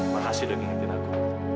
makasih udah ngingetin aku